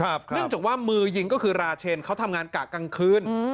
เนื่องจากว่ามือยิงก็คือราเชนเขาทำงานกะกลางคืน